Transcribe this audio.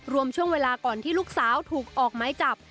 รวมช่วงเวลาก่อนที่ลูกสาวถูกออกไม้จับ